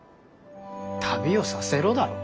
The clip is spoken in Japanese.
「旅をさせろ」だろ。